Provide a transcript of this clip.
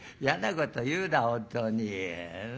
こと言うな本当に。